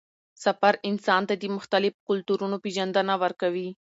سفر انسان ته د مختلفو کلتورونو پېژندنه ورکوي